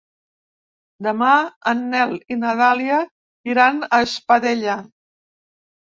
Demà en Nel i na Dàlia iran a Espadella.